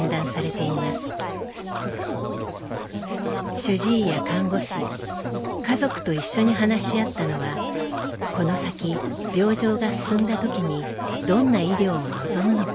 主治医や看護師家族と一緒に話し合ったのはこの先病状が進んだ時にどんな医療を望むのか。